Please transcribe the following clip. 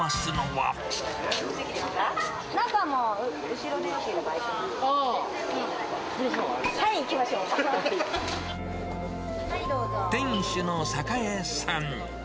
はい、店主の栄さん。